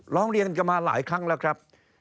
ร้องเรียนกันมาหลายครั้งแล้วครับ